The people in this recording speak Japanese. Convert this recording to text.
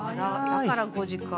だから５時か。